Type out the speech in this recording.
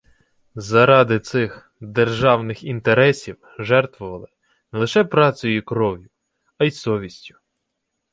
Заради цих «державних інтересів» жертвували – не лише працею і кров'ю, а й совістю